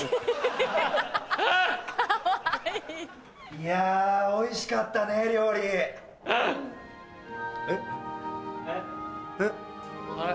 いやぁおいしかったね料理。えっ？あれ？